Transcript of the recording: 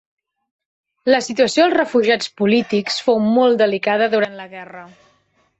La situació dels refugiats polítics fou molt delicada durant la guerra.